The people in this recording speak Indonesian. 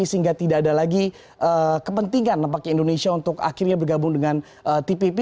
sehingga tidak ada lagi kepentingan nampaknya indonesia untuk akhirnya bergabung dengan tpp